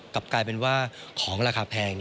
กลับกลายเป็นว่าของราคาแพง